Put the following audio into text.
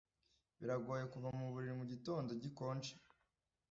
Biragoye kuva muburiri mugitondo gikonje